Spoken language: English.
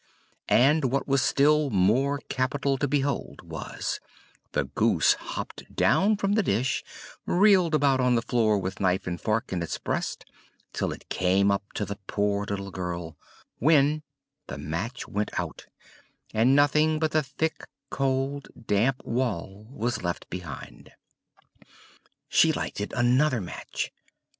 And what was still more capital to behold was, the goose hopped down from the dish, reeled about on the floor with knife and fork in its breast, till it came up to the poor little girl; when the match went out and nothing but the thick, cold, damp wall was left behind. She lighted another match.